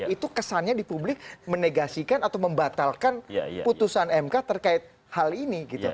itu kesannya di publik menegasikan atau membatalkan putusan mk terkait hal ini gitu